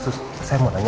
sus saya mau tanya